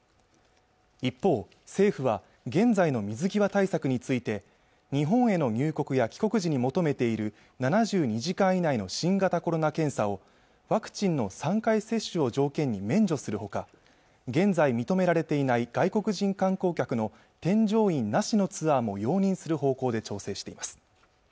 一方政府は現在の水際対策について日本への入国や帰国時に求めている７２時間以内の新型コロナ検査をワクチンの３回接種を条件に免除するほか現在認められていない外国人観光客の添乗員なしのツアーも容認する方向で調整しています